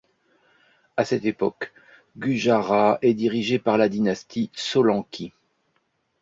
À cette époque Gujarat est dirigé par la dynastie Solanki.